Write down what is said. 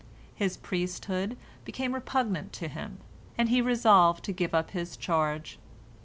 His priesthood became repugnant to him, and he resolved to give up his, charge.